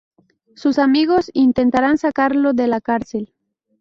Sus amigos intentarán sacarlo de la cárcel.